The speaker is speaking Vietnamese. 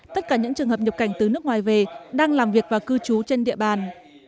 tất cả những trường hợp nhập cảnh từ nước ngoài về đang làm việc và cư trú trên địa bàn